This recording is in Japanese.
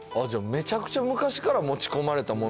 めちゃくちゃ昔から持ち込まれたものなんですね